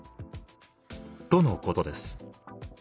とのことです。